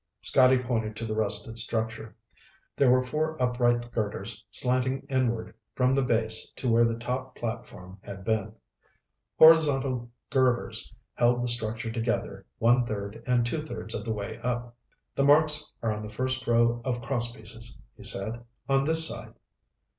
Scotty pointed to the rusted structure. There were four upright girders slanting inward from the base to where the top platform had been. Horizontal girders held the structure together one third and two thirds of the way up. "The marks are on the first row of cross pieces," he said. "On this side."